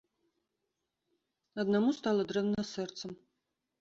Аднаму стала дрэнна з сэрцам.